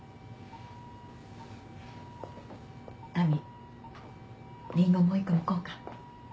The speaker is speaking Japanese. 亜美リンゴもう１個むこうか？